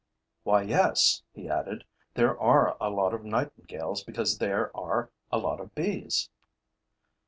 'Why, yes,' he added, 'there are a lot of nightingales because there are a lot of bees.